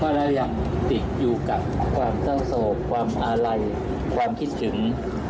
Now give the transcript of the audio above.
แล้วยังติดอยู่กับความเศร้าโศกความอาลัยความคิดถึง